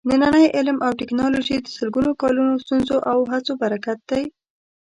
نننی علم او ټېکنالوجي د سلګونو کالونو ستونزو او هڅو برکت دی.